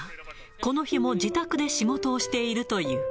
この日も自宅で仕事をしているという。